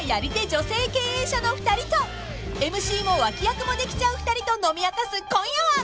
女性経営者の２人とＭＣも脇役もできちゃう２人と飲み明かす今夜は］